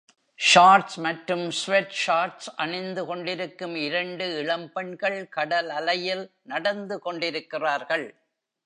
Shorts மற்றும் sweat shorts அணிந்து கொண்டிருக்கும் இரண்டு இளம் பெண்கள் கடலலையில் நடந்து கொண்டிருக்கிறார்கள்.